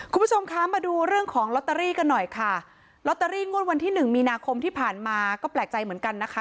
คุณผู้ชมคะมาดูเรื่องของลอตเตอรี่กันหน่อยค่ะลอตเตอรี่งวดวันที่หนึ่งมีนาคมที่ผ่านมาก็แปลกใจเหมือนกันนะคะ